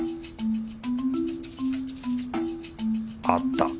あった